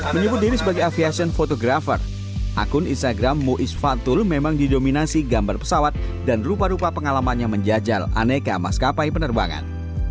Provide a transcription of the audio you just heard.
menyebut diri sebagai aviation fotografer akun instagram ⁇ muiz fatul memang didominasi gambar pesawat dan rupa rupa pengalamannya menjajal aneka maskapai penerbangan